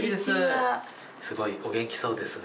すごいお元気そうですね。